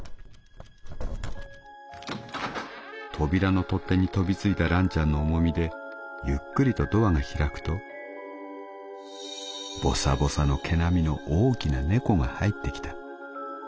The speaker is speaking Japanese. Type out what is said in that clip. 「扉の取っ手に飛びついたらんちゃんの重みでゆっくりとドアが開くとボサボサの毛並みの大きな猫が入ってきた。